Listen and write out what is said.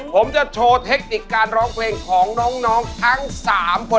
ผมจะโชว์เทคนิคการร้องเพลงของน้องทั้ง๓คน